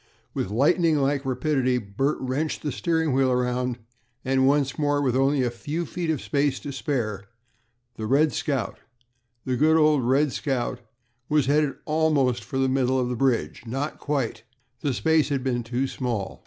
With lightning like rapidity Bert wrenched the steering wheel around, and once more, with only a few feet of space to spare, the "Red Scout" good old "Red Scout," was headed almost for the middle of the bridge not quite the space had been too small.